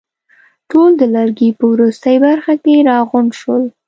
ټول د لرګي په وروستۍ برخه کې راغونډ شول.